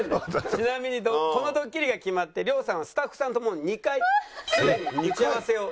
ちなみにこのドッキリが決まって亮さんはスタッフさんともう２回すでに打ち合わせを。